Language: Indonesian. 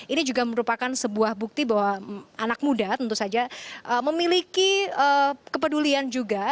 ini juga merupakan sebuah bukti bahwa anak muda tentu saja memiliki kepedulian juga